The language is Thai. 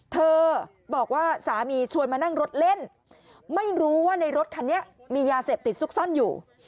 เธอบอกว่าสามีชวนมานั่งรถเล่นไม่รู้ว่าในรถคันนี้มียาเสพติดซุกซ่อนอยู่